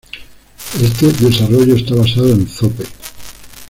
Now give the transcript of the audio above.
Este desarrollo está basado en Zope.